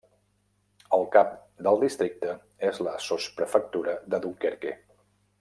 El cap del districte és la sotsprefectura de Dunkerque.